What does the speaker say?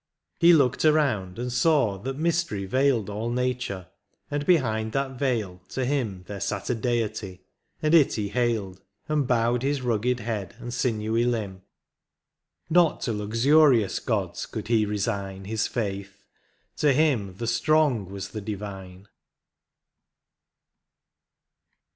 He looked around, and saw that mystery veiled All nature, and behind that veil, to him, There sat a Deity, and it he hailed. And bowed his rugged head and sinewy limb ; Not to luxurious gods could he resign His faith ; to him the strong was the divine.